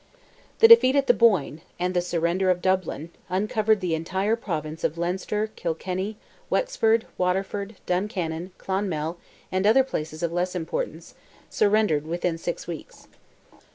The defeat at the Boyne, and the surrender of Dublin, uncovered the entire province of Leinster, Kilkenny, Wexford, Waterford, Duncannon, Clonmel, and other places of less importance, surrendered within six weeks.